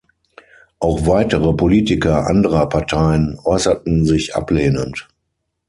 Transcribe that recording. Auch weitere Politiker anderer Parteien äußerten sich ablehnend.